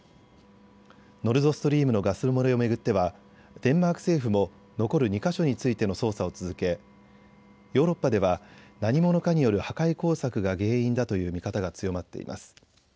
ノルドストリームのガス漏れを巡ってはデンマーク政府も残る２か所についての捜査を続けヨーロッパででは何者かによる破壊工作が原因だという見方が強まっています。